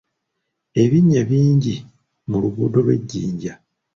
Ebinnya bingi mu luguudo lw'e Jinja.